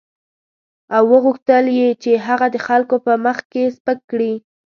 او وغوښتل یې چې هغه د خلکو په مخ کې سپک کړي.